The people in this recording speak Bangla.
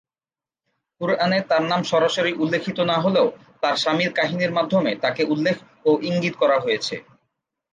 কুরআনে তার নাম সরাসরি উল্লেখিত না হলেও, তার স্বামীর কাহিনীর মাধ্যমে তাকে উল্লেখ ও ইঙ্গিত করা হয়েছে।